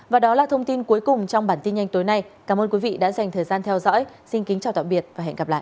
và đó là thông tin cuối cùng trong bản tin nhanh tối nay cảm ơn quý vị đã dành thời gian theo dõi xin kính chào tạm biệt và hẹn gặp lại